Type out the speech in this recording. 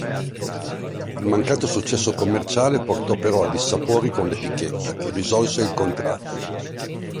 Il mancato successo commerciale portò però a dissapori con l'etichetta che risolse il contratto.